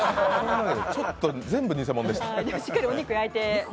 ちょっと、全部偽物でした。